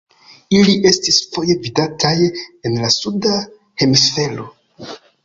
Ili estis foje vidataj en la suda hemisfero.